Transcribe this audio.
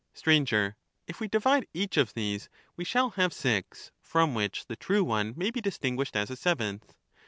Sir, If we divide each of these we shall have six, from which the true one may be distinguished as a seventh.